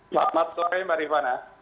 selamat sore mbak rifana